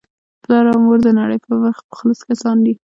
پلار او مور دنړۍ په مخ مخلص کسان دي